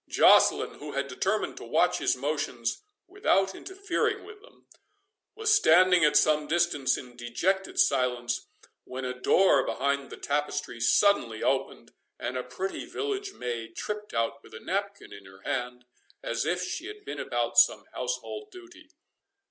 Joceline, who had determined to watch his motions without interfering with them, was standing at some distance in dejected silence, when a door behind the tapestry suddenly opened, and a pretty village maid tripped out with a napkin in her hand, as if she had been about some household duty.